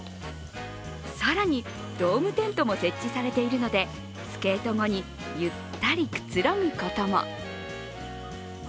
更にドームテントも設置されているのでスケート後にゆったりくつろぐことも。